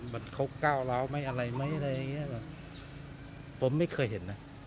มันเขาก้าวร้าวไหมอะไรไหมอะไรอย่างเงี้ยแบบผมไม่เคยเห็นนะ